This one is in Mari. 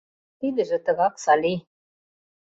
— Тидыже тыгак, Салий.